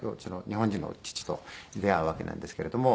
日本人の父と出会うわけなんですけれども。